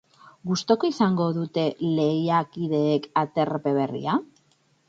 Gustuko izango dute lehiakideek aterpe berria?